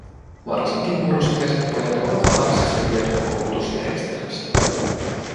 Varsinkin murrosikäiset pojat ovat vaarassa syrjäytyä koulutusjärjestelmästä.